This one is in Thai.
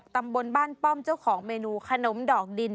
ตำบลบ้านป้อมเจ้าของเมนูขนมดอกดิน